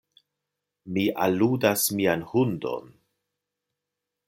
Mi aludas mian hundon.